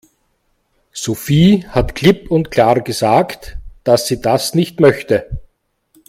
Sophie hat klipp und klar gesagt, dass sie das nicht möchte.